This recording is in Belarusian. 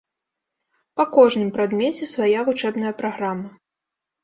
Па кожным прадмеце свая вучэбная праграма.